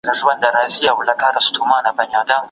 د ګرګین ظلمونه نور د زغم وړ نه وو.